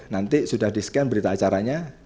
nanti sudah di scan berita acaranya